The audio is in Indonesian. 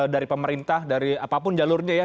dari pemerintah dari apapun jalurnya ya